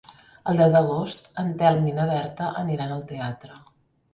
El deu d'agost en Telm i na Berta aniran al teatre.